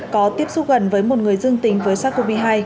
có tiếp xúc gần với một người dương tính với sars cov hai